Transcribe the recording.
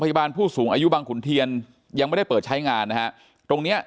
พยาบาลผู้สูงอายุบางขุนเทียนยังไม่ได้เปิดใช้งานตรงนี้